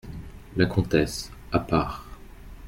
La comtesse , à part.